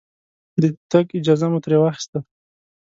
د تګ اجازه مو ترې واخسته.